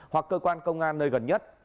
hoặc cơ quan công an nơi gần nhất